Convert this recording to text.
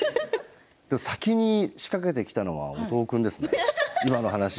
先に仕掛けてきたのは音尾君ですね。